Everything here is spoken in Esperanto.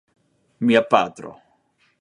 Mia patro.